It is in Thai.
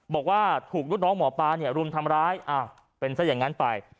บอกว่าถูกลูกน้องหมอปลาเนี่ยรุมทำร้ายอ้าวเป็นซะอย่างนั้นไป